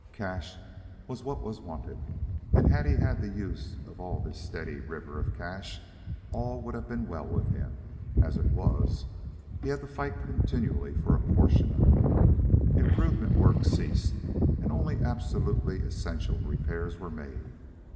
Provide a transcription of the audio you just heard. Cash was what was wanted, and had he had the use of all this steady river of cash, all would have been well with him. As it was, he had to fight continually for a portion of it. Improvement work ceased, and only absolutely essential repairs were made.